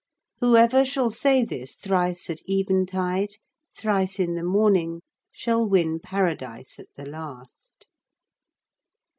Whoever shall say this thrice at eventide, thrice in the morning, shall win paradise at the last."